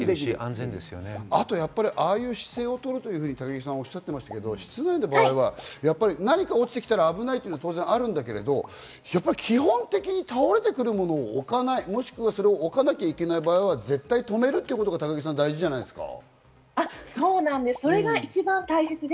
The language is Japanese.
太陽光で携帯の充電もできるああいう姿勢をとると、高木さんおっしゃっていましたが、室内の場合は何が落ちてきたら危ないのはあるけれど、基本的に倒れてくるものを置かない、もしくは置かなきゃいけない場合は絶対、とめるということが大事じゃないですか？